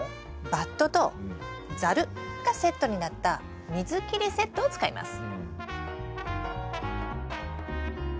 バットとザルがセットになった水切りセットを使います。